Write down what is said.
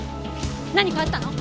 何かあったの？